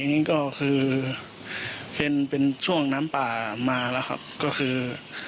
อันนี้ก็คือเป็นช่วงน้ำป่ามาแล้วครับก็คือ